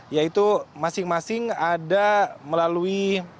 yaitu masing masing ada melalui